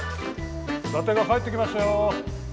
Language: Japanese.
伊達が帰ってきましたよ！